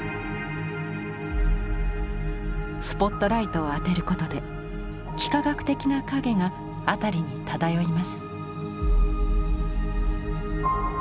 スポットライトを当てることで幾何学的な影が辺りに漂います。